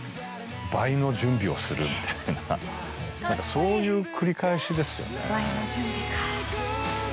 そういう繰り返しですよね。